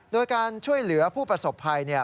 โดยการช่วยเหลือผู้ประสบภัย